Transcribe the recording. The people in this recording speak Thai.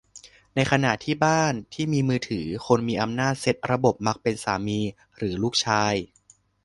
ในขณะที่บ้านที่มีมือถือ-คนมีอำนาจเซ็ตระบบมักเป็นสามีหรือลูกชาย